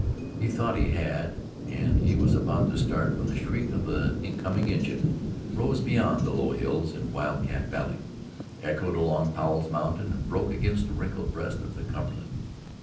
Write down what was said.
He thought he had and he was about to start when the shriek of the coming engine rose beyond the low hills in Wild Cat Valley, echoed along Powell's Mountain and broke against the wrinkled breast of the Cumberland.